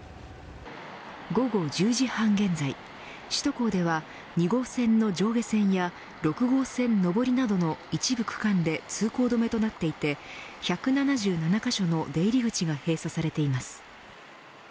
午後１０時半現在首都高では２号線の上下線や６号線上りなどの一部区間で通行止めとなっていて１７７カ所の出入り口が閉鎖されています。